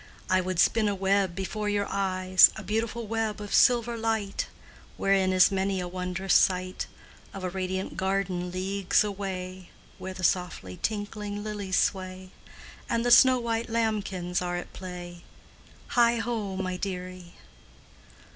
I would spin a web before your eyes, A beautiful web of silver light, Wherein is many a wondrous sight Of a radiant garden leagues away, Where the softly tinkling lilies sway, And the snow white lambkins are at play, Heigho, my dearie!"